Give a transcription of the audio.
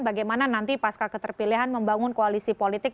bagaimana nanti pasca keterpilihan membangun koalisi politik